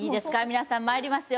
皆さんまいりますよ